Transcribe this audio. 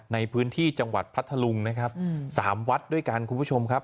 ในพื้นที่จังหวัดพัทธลุงนะครับ๓วัดด้วยกันคุณผู้ชมครับ